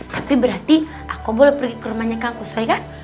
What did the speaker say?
tapi berarti aku boleh pergi ke rumahnya kakus saya kan